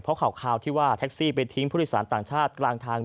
เพราะข่าวที่ว่าแท็กซี่ไปทิ้งผู้โดยสารต่างชาติกลางทาง